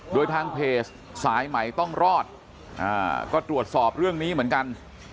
โดยทางเพจสายใหม่ต้องรอดก็ตรวจสอบเรื่องนี้เหมือนกัน